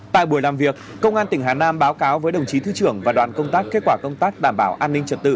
tại buổi làm việc công an tỉnh hà nam báo cáo với đồng chí thứ trưởng và đoàn công tác kết quả công tác đảm bảo an ninh trật tự